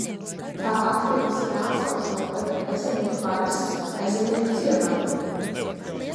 Tā atrodas Krāslavas novada Ezernieku pagasts Ezernieku ciemā.